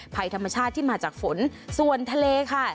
ภัยธรรมชาติที่มาจากฝนส่วนทะเลค่ะ